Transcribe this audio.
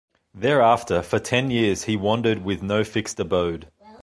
Thereafter, for ten years he wandered with no fixed abode.